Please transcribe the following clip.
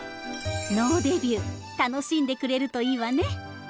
能デビュー楽しんでくれるといいわね。